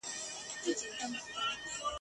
شپه به مي وباسي له ښاره څخه !.